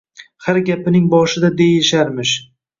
Har gapining boshida deyisharmish